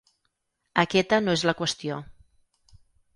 Aquesta no és la qüestió.